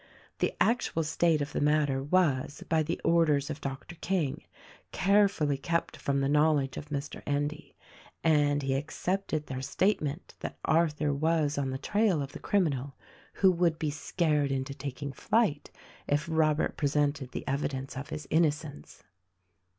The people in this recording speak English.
The actual state of the matter was, by the orders of Dr. King, carefully kept from the knowledge of Mr. Endy — and he accepted their statement that Arthur was on the trail of the criminal, who would be scared into taking flight if Robert presented the evidence of his innocence.